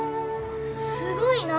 すごいな。